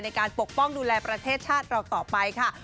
ปกป้องดูแลประเทศชาติเราต่อไปค่ะ